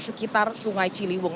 sekitar sungai ciliwung